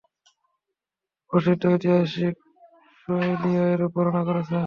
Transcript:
প্রসিদ্ধ ঐতিহাসিক সুহায়লীও এরূপ বর্ণনা করেছেন।